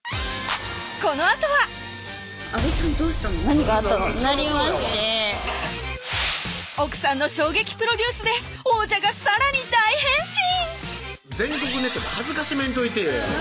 このあとはなりまして奥さんの衝撃プロデュースで王者がさらに大変身！